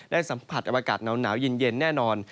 ได้สัมผัสอากาศหนาวหญิงเย็นแน่นอล